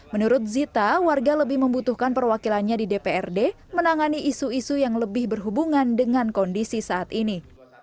menurut zita warga lebih membutuhkan perwakilannya di dprd menangani isu isu yang lebih berhubungan dengan kondisi saat ini